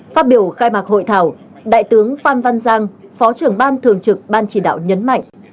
phát biểu khai mạc hội thảo đại tướng phan văn giang phó trưởng ban thường trực ban chỉ đạo nhấn mạnh